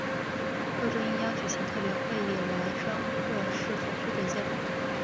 各州应邀举行特别会议来商榷是否批准宪法。